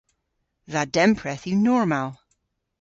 Dha dempredh yw normal.